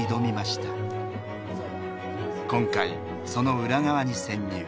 今回その裏側に潜入。